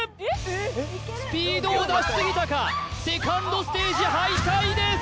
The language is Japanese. スピードを出しすぎたかセカンドステージ敗退です